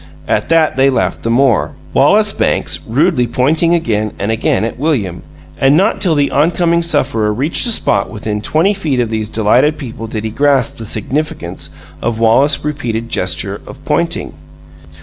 At that they laughed the more, Wallace Banks rudely pointing again and again at William; and not till the oncoming sufferer reached a spot within twenty feet of these delighted people did he grasp the significance of Wallace's repeated gesture of pointing.